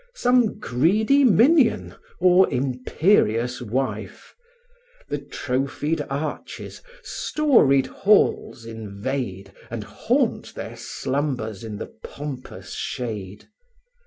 Some greedy minion, or imperious wife. The trophied arches, storeyed halls invade And haunt their slumbers in the pompous shade.